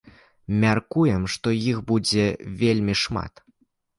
Мяркуем, што іх будзе вельмі шмат.